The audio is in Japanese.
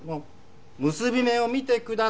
結び目を見てください。